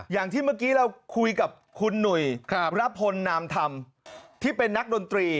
อย่างที่เมื่อกี้เราคุยกับคุณหนุ่ยระพลนามธรรมที่เป็นนักดนตรี